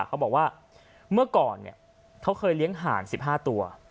เขาบอกว่าเมื่อก่อนเขาเคยเลี้ยงห่าน๑๕ตัว